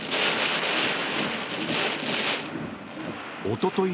おととい